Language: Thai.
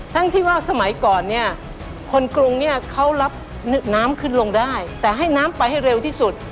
ทั้งที่ว่าสมัยก่อนเนี่ยคนกรุงเนี่ยเขารับน้ำขึ้นลงได้แต่ให้น้ำไปให้เร็วที่สุด